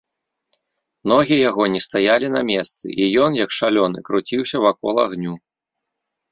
Ногі яго не стаялі на месцы, і ён, як шалёны, круціўся вакол агню.